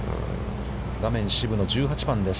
画面渋野、１８番です。